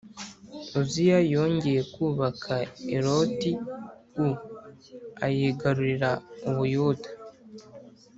Uziya yongeye kubaka Eloti u ayigarurira u Buyuda